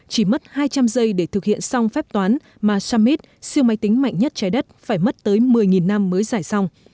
chỉ mất hai trăm linh giây để thực hiện xong phép toán mà summit siêu máy tính mạnh nhất trái đất phải mất tới một mươi năm mới giải xong